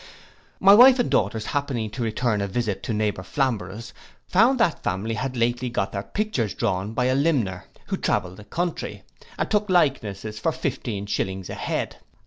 My wife and daughters happening to return a visit to neighbour Flamborough's, found that family had lately got their pictures drawn by a limner, who travelled the country, and took likenesses for fifteen shillings a head.